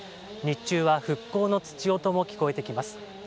日中は復興のつち音も聞こえてきます。